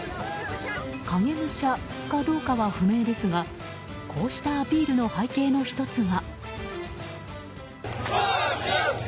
影武者かどうかは不明ですがこうしたアピールの背景の１つが。